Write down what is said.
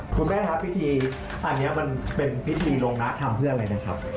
คุณแม่ครับพิธีอันนี้มันเป็นพิธีลงนะทำเพื่ออะไรนะครับ